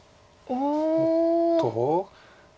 おっと。